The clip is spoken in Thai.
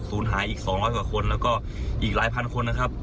ศูนย์หายอีกสองร้อยกว่าคนแล้วก็อีกหลายพันคนนะครับ